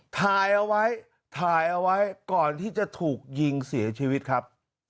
ถ่ายเอาไว้ก่อนที่จะถูกยิงเสียชีวิตครับ